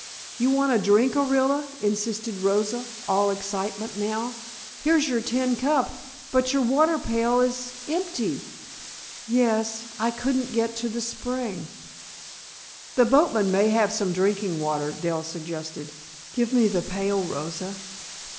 "You want a drink, Orilla," insisted Rosa, all excitement now. "Here's your tin cup, but your water pail is empty!" "Yes. I couldn't get to the spring " "The boatman may have some drinking water," Dell suggested. "Give me the pail, Rosa."